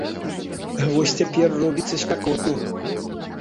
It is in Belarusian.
Вось цяпер робіцца спякотна.